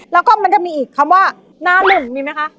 แล้วก็มันจะมีอีกคำว่าหน้านุ่มมีไหมคะ